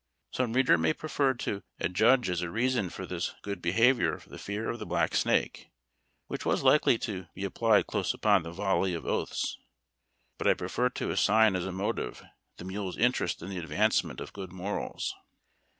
Some reader may prefer to adjudge as a reason for this good behavior the fear of the Black Snake, which was likely to be applied close upon the volley of oaths ; but I prefer to assign as a motive the mule's interest in the advancement of good morals.